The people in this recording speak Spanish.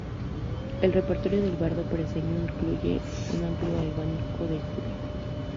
El repertorio del bardo paceño incluye un amplio abanico de estilos.